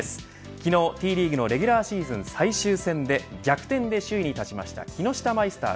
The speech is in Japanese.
昨日Ｔリーグのレギュラーシーズン最終戦で逆転で首位に立った木下マイスター